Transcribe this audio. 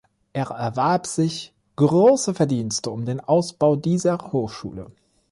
Er erwarb sich große Verdienste um den Ausbau dieser Hochschule.